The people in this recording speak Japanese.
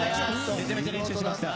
めちゃめちゃ練習しました。